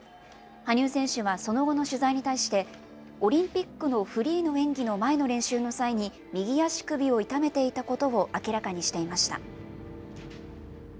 羽生選手はその後の取材に対して、オリンピックのフリーの演技の前の練習の際に、右足首を痛めていたことを明らかにしていました。